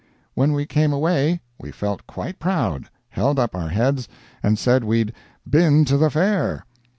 When we came away, we felt quite proud, held up our heads, and said we'd "been to the Fair!"